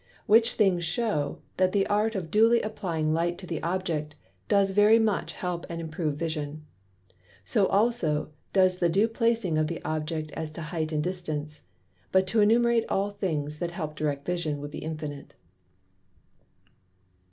Which things shew, that the Art of duly applying Light to the Object does very much help and improve Vision. So also does the due placing of the Object, as to Height and Distance. But to enumerate all things that help Direct Vision, would be infinite.